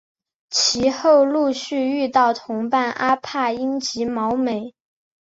其后陆续遇到同伴阿帕因及毛美。